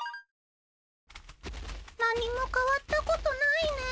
何も変わったことないねぇ。